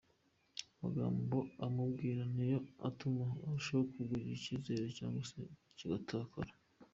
Amagambo umubwire ni yo atuma arushaho kukugirira icyizere cyangwa se kigatakara.